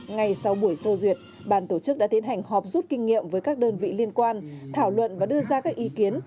ngay sau buổi sơ duyệt bàn tổ chức đã tiến hành họp rút kinh nghiệm với các đơn vị liên quan thảo luận và đưa ra các ý kiến